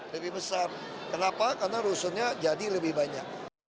lebih besar kenapa karena rusunnya jadi lebih banyak